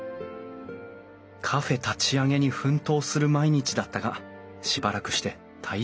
カフェ立ち上げに奮闘する毎日だったがしばらくして体調不良に気付く。